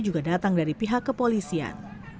juga datang dari pihak kepolisian